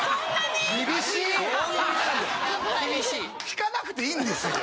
引かなくていいんですよ。